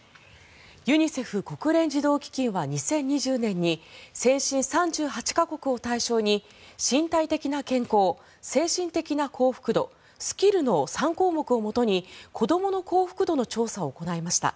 ユニセフ・国連児童基金は２０２０年に先進３８か国を対象に身体的な健康精神的な幸福度スキルの３項目をもとに子どもの幸福度の調査を行いました。